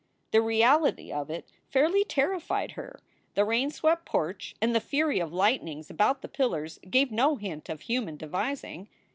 The reality of it fairly terrified her. The rain swept porch and the fury of lightnings about the pillars gave no hint of human devising.